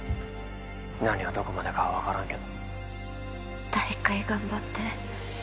何をどこまでかは分からんけど大会頑張って